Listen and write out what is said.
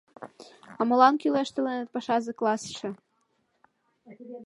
— А молан кӱлеш тыланет пашазе классше?